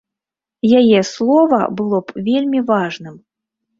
Яе слова было б вельмі важным.